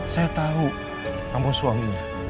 saya tahu kamu suaminya